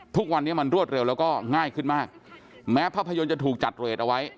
ทุกวันนี้มันรวดเร็วแล้วก็ง่ายขึ้นมากแม้ภาพยนตร์จะถูกจัดเรทเอาไว้